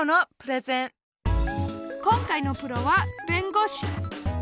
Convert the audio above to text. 今回のプロは弁護士。